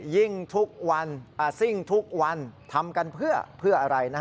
ยิ่งทุกวันซิ่งทุกวันทำกันเพื่ออะไร